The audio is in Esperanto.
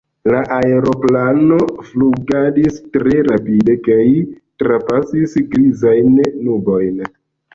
La aeroplano flugadis tre rapide kaj trapasis grizajn nubojn.